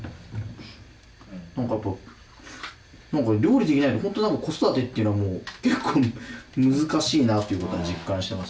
何か料理できないと本当子育てっていうのはもう結構難しいなっていうことを実感してますね。